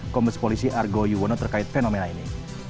kombes polisi argo yuwono terkait fenomena ini